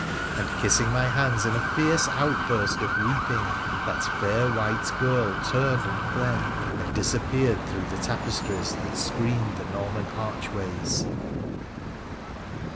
and, kissing my hands in a fierce outburst of weeping, thai fair white girl turned and fled, and disappeared through the tapestries that screened the Norman archways.